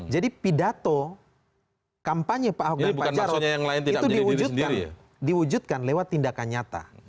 jadi pidato kampanye pak ahok dan pak jarod itu diwujudkan lewat tindakan nyata